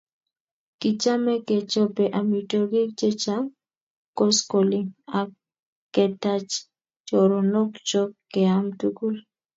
Kichame kechope amitwogik chechang' koskoling' ak ketach choronok chok keam tukul.